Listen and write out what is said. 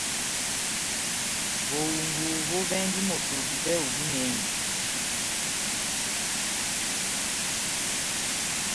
Vohungu vovɛndi moto divɛhu dinɛnɛ.